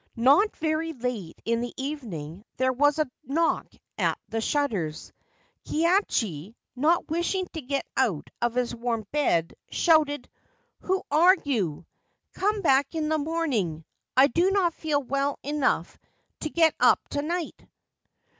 Not very late in the evening there was a knock at the shutters. Kihachi, not wishing to get out of his warm bed, shouted :' Who are you ? Come back in the morning. I do not feel well enough to get up to night.'